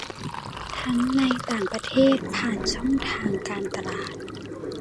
ทั้งในต่างประเทศผ่านช่องทางการตลาด